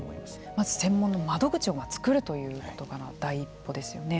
まず専門の窓口をつくるということから第一歩ですよね。